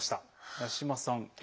八嶋さんＡ。